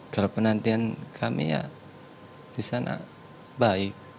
kalau penantian kami ya di sana baik